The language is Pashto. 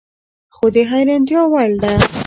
خو د حیرانتیا وړ ده